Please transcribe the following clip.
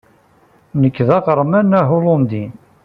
Nekk d aɣerman ahulandi.